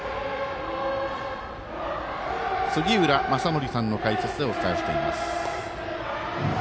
杉浦正則さんの解説でお伝えしてます。